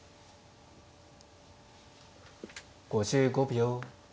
５５秒。